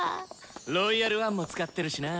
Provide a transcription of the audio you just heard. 「ロイヤル・ワン」も使ってるしな。